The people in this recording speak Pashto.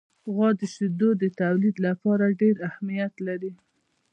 غوا د شیدو د تولید لپاره ډېر اهمیت لري.